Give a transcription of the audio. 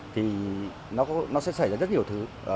thì nó sẽ xảy ra rất nhiều thứ